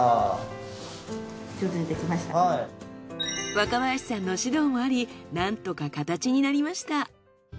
若林さんの指導もありなんとか形になりました。